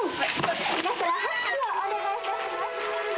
皆さん拍手をお願い致します」